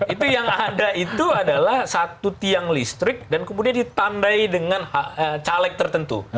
itu yang ada itu adalah satu tiang listrik dan kemudian ditandai dengan caleg tertentu